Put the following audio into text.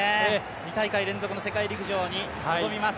２大会連続の世界陸上に臨みます。